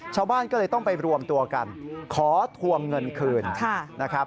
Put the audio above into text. ชาวบ้านก็เลยต้องไปรวมตัวกันขอทวงเงินคืนนะครับ